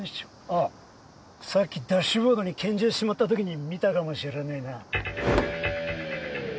ああさっきダッシュボードに拳銃しまったときに見たかもしれねぇな。